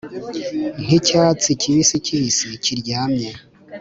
nkicyatsi kibisi-kibisi, kiryamye,